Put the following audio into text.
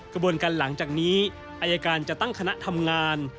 กระบวนการหลังจากนี้อายการจะตั้งคณะทำงาน